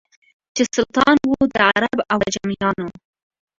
چي سلطان وو د عرب او عجمیانو